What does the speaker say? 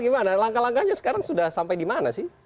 gimana langkah langkahnya sekarang sudah sampai di mana sih